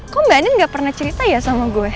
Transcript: kok mba andin gak pernah cerita ya sama gue